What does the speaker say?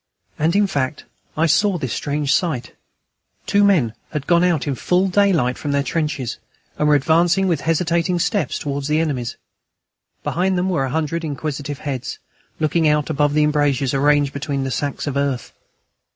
And in fact I saw this strange sight: two men had gone out in full daylight from their trenches and were advancing with hesitating steps towards the enemy's. Behind them were a hundred inquisitive heads, looking out above the embrasures arranged between the sacks of earth.